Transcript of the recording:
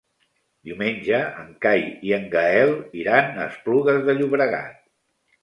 Diumenge en Cai i en Gaël iran a Esplugues de Llobregat.